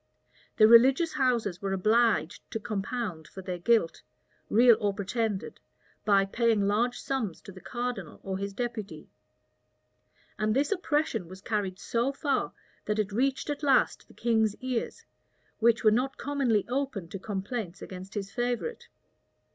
The religious houses were obliged to compound for their guilt, real or pretended, by paying large sums to the cardinal or his deputy; and this oppression was carried so far, that it reached at last the king's ears, which were not commonly open to complaints against his favorite.